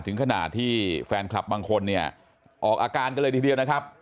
ถึงขนาดที่แฟนคลับบางคนเนี่ยออกอาการกันเลยทีเดียวนะครับ